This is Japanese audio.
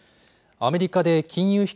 アメリカで金融